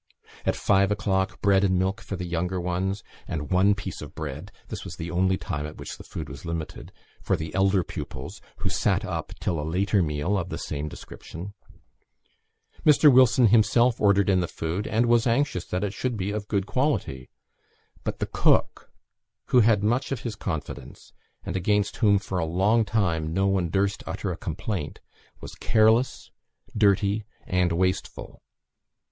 At five o'clock, bread and milk for the younger ones; and one piece of bread (this was the only time at which the food was limited) for the elder pupils, who sat up till a later meal of the same description. Mr. Wilson himself ordered in the food, and was anxious that it should be of good quality. But the cook, who had much of his confidence, and against whom for a long time no one durst utter a complaint, was careless, dirty, and wasteful.